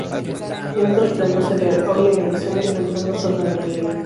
En otros planos se ve a Olly Alexander cantando solo en la neblina.